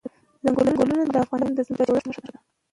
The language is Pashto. ځنګلونه د افغانستان د ځمکې د جوړښت نښه ده.